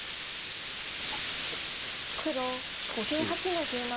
黒１８の十七。